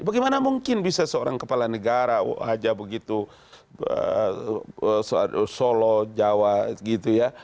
bagaimana mungkin bisa seorang kepala negara aja begitu solo jawa gitu ya